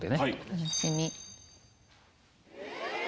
楽しみ。